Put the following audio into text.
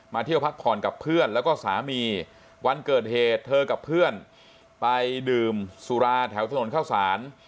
เที่ยวพักผ่อนกับเพื่อนแล้วก็สามีวันเกิดเหตุเธอกับเพื่อนไปดื่มสุราแถวถนนเข้าสาร